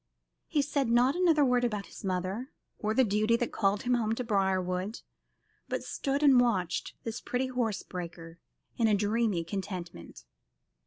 He said not another word about his mother, or the duty that called him home to Briarwood, but stood and watched this pretty horsebreaker in a dreamy contentment.